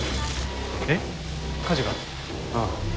えっ火事が？ああ。